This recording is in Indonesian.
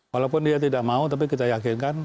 walaupun dia tidak mau tapi kita yakinkan